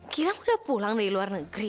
gilang udah pulang dari luar negeri